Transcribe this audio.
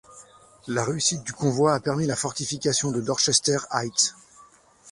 La réussite du convoi a permis la fortification de Dorchester Heights.